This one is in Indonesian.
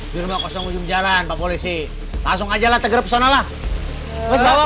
di rumah kosong ujung jalan pak polisi langsung aja lah tegur pesona lah bawa